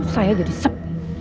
saya jadi sep